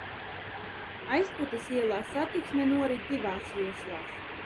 Aizputes ielā satiksmes kustība norit divās joslās.